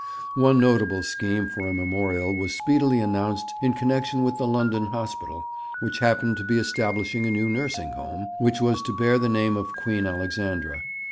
One notable scheme for a memorial was speedily announced in connexion with the London Hospital, which happened to be establishing a new nursing home, which was to bear the name of Queen Alexandra.